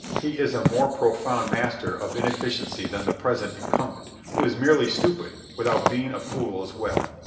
He is a more profound master of inefficiency than the present incumbent, who is merely stupid without being a fool as well.